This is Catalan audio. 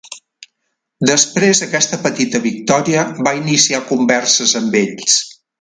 Després aquesta petita victòria, va iniciar converses amb ells.